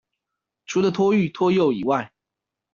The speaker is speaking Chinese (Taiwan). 除了托育、托幼以外